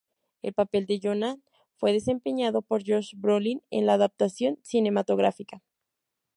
El papel de Jonah fue desempeñado por Josh Brolin en la adaptación cinematográfica.